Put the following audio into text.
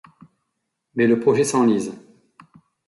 Mais le projet s'enlise.